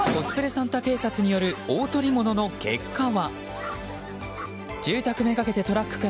サンタ警察による大捕物の結果は？